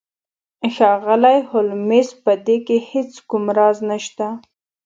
ښاغلی هولمز په دې کې هیڅ کوم راز نشته